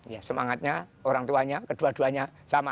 ya semangatnya orang tuanya kedua duanya sama